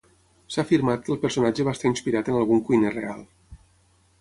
S'ha afirmat que el personatge va estar inspirat en algun cuiner real.